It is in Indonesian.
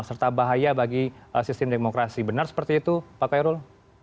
serta bahaya bagi sistem demokrasi benar seperti itu pak khairul